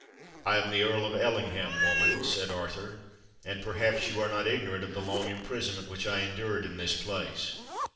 "I am the Earl of Ellingham, woman," said Arthur; "and perhaps you are not ignorant of the long imprisonment which I endured in this place.